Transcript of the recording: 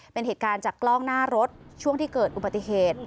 เป็นเหตุการณ์จากกล้องหน้ารถช่วงที่เกิดอุบัติเหตุ